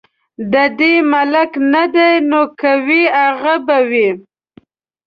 د دې ملک نه دي نو که وه هغه به وي.